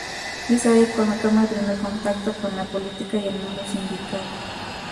Es allí cuando toma el primer contacto con la política y el mundo sindical.